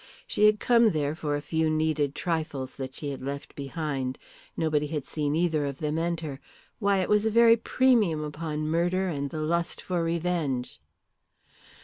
She had come there for a few needed trifles that she had left behind. Nobody had seen either of them enter. Why, it was a very premium upon murder and the lust for revenge!